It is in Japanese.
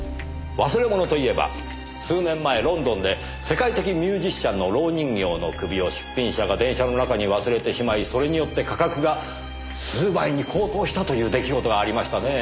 忘れ物といえば数年前ロンドンで世界的ミュージシャンの蝋人形の首を出品者が電車の中に忘れてしまいそれによって価格が数倍に高騰したという出来事がありましたねぇ。